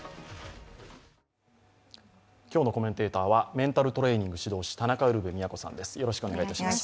今日のコメンテーターはメンタルトレーニング指導士田中ウルヴェ京さんです。